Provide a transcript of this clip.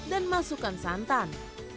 dan masukkan santan